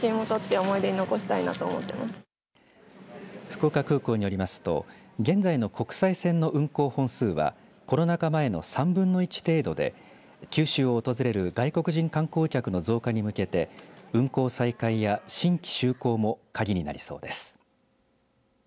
福岡空港によりますと現在の国際線の運航本数はコロナ禍前の３分の１程度で九州を訪れる外国人観光客の増加に向けて運航再開や新規就航も鍵になりそうです。